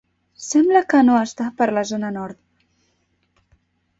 Sembla que no està per la zona nord.